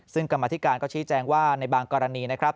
ซึ่งกรรมธิการก็ชี้แจงว่าในบางกรณีนะครับ